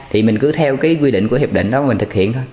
thì mình cứ theo cái quy định của hiệp định đó mình thực hiện thôi